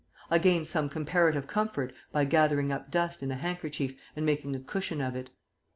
I gained some comparative comfort by gathering up dust in a handkerchief and making a cushion of it.